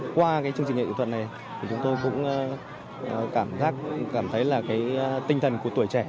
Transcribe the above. qua chương trình nghệ thuật này chúng tôi cũng cảm thấy tinh thần của tuổi trẻ